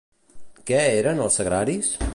Què eren els sagraris?